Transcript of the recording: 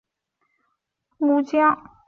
是为协助丰臣政权打倒岛津氏的重要武将。